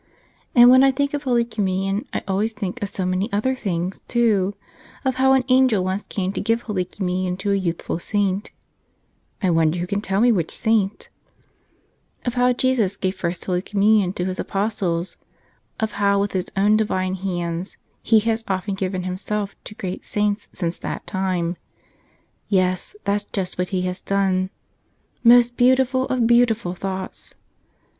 And when I think of Holy Communion I always think of so many other things, too : of how an angel once came to give Holy Communion to a youthful saint (I wonder who can tell me which saint) ; of how Jesus gave First Holy Communion to His Apostles; of how, with His own divine hands, He has often given Him¬ self to great saints since that time. Yes; that's just what He has done. Most beautiful of beautiful thoughts